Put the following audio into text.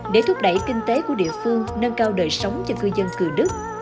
để thúc đẩy kinh tế của địa phương nâng cao đời sống cho cư dân cửa đất